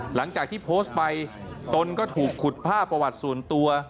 หลังจากที่โพสต์ไปตนก็ถูกขุดภาพประวัติส่วนตัว